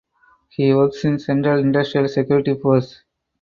He works in Central Industrial Security Force.